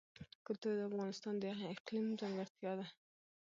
کلتور د افغانستان د اقلیم ځانګړتیا ده.